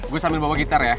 gue sambil bawa gitar ya